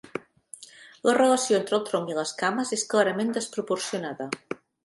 La relació entre el tronc i les cames és clarament desproporcionada.